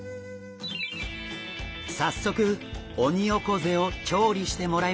早速オニオコゼを調理してもらいましょう。